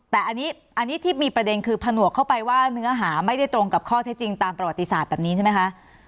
แต่อันนี้ที่มีประเด็นคือผนวกเข้าไปว่าเนื้อหาไม่ได้ตรงกับข้อเท็จจริงตามประวัติศาสตร์แบบนี้ใช่ไหมคะ